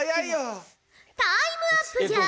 タイムアップじゃ！